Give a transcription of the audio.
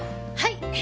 はい！